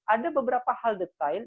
ada beberapa hal detail